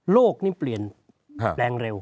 โลกนี่เปลี่ยนแรงเร็ว